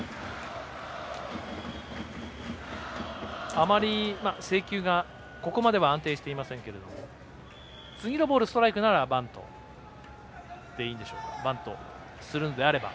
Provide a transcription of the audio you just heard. あまり制球がここまでは安定していませんけども次のボール、ストライクならバントでいいんでしょうかバントするんであれば。